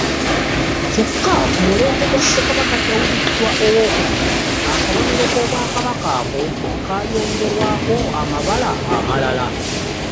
Kyokka ku mulembe gwa Ssekabaka Daudi Ccwa II, akabonero k’Obwakabaka ako, kaayongerwako amabala amalala.